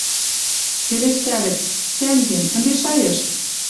Пелештӓльӹц: «Тӓнгем, ӹнде шайышт